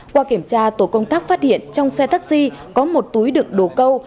qua kiểm tra tổ công tác phát hiện trong xe taxi có một túi đựng đổ câu